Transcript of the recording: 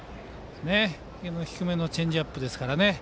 低めのチェンジアップですからね。